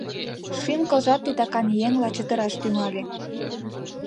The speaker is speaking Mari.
Шӱм-кылжат титакан еҥла чытыраш тӱҥале...